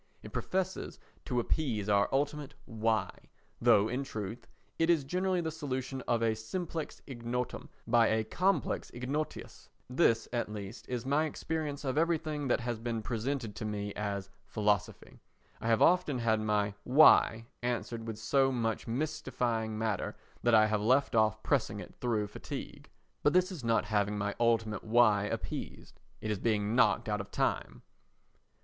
It professes to appease our ultimate "Why?" though in truth it is generally the solution of a simplex ignotum by a complex ignotius. This, at least, is my experience of everything that has been presented to me as philosophy. I have often had my "Why" answered with so much mystifying matter that I have left off pressing it through fatigue. But this is not having my ultimate "Why?" appeased. It is being knocked out of time.